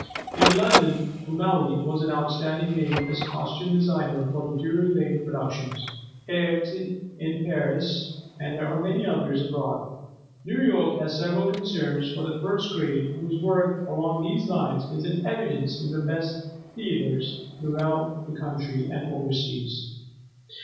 In London, Comelli was an outstanding name as costume designer for the Drury Lane productions; Erte, in Paris, and there are many others abroad. New York has several concerns of the first grade whose work along these lines is in evidence in the best theatres throughout the country and overseas.